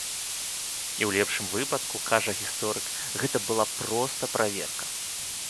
І ў лепшым выпадку, кажа гісторык, гэта была проста праверка.